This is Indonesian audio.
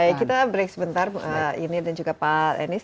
baik kita break sebentar ini dan juga pak enis